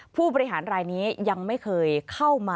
ผู้บริหารรายนี้ยังไม่เคยเข้ามา